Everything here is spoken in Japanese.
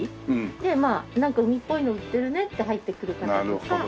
でなんか海っぽいの売ってるねって入ってくる方とか。